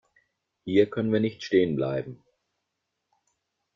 Hier können wir nicht stehen bleiben.